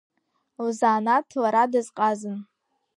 Лзаанаҭ лара дазҟазан.